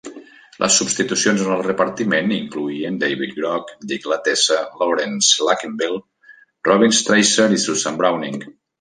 Les substitucions en el repartiment incloïen: David Groh, Dick Latessa, Laurence Luckinbill, Robin Strasser i Susan Browning.